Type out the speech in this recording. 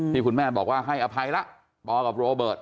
ที่คุณแม่บอกว่าให้อภัยละปอกับโรเบิร์ต